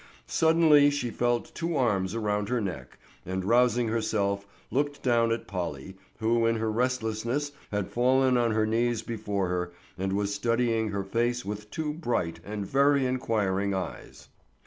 Suddenly she felt two arms around her neck, and rousing herself, looked down at Polly, who in her restlessness had fallen on her knees before her and was studying her face with two bright and very inquiring eyes.